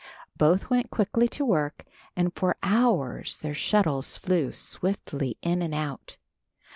Both went quickly to work and for hours their shuttles flew swiftly in and out.